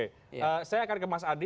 oke saya akan ke mas adi